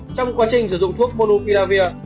trong quá trình sử dụng thuốc monopilavir